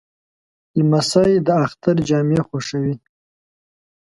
لمسی د اختر جامې خوښوي.